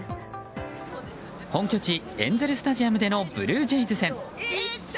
本拠地エンゼル・スタジアムでのブルージェイズ戦。